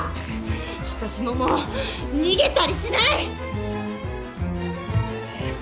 私ももう逃げたりしない！